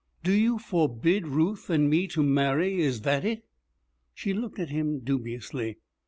Do you forbid Ruth and me to marry is that it?' She looked at him dubiously.